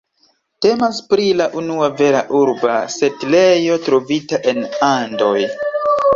Temas pri la unua vera urba setlejo trovita en Andoj.